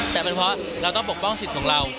แต่เป็นเพราะเราต้องปกป้องสิทธิ์ของเรา